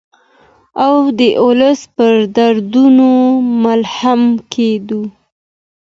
او د ولس په دردونو مرهم کېږدو.